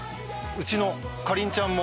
うちのかりんちゃんも。